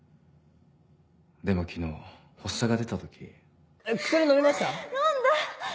でも昨日発作が出た時。